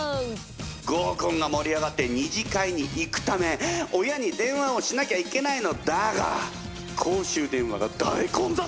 合コンが盛り上がって２次会に行くため親に電話をしなきゃいけないのだが公衆電話が大混雑！